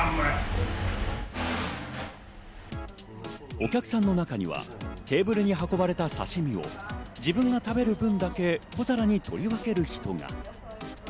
お客さんの中にはテーブルに運ばれた刺身を自分が食べる分だけ小皿に取り分ける人が。